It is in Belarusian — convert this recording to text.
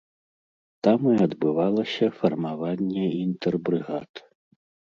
Там і адбывалася фармаванне інтэрбрыгад.